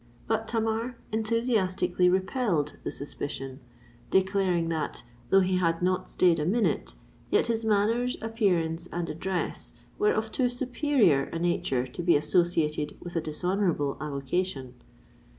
But Tamar enthusiastically repelled the suspicion; declaring that, though he had not stayed a minute, yet his manners, appearance, and address, were of too superior a nature to be associated with a dishonourable avocation.